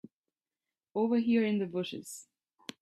Over here in the bushes.